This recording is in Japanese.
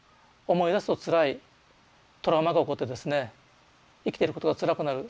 思い出すとつらいトラウマが起こってですね生きてることがつらくなる。